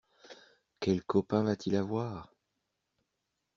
Quels copains va-t-il avoir?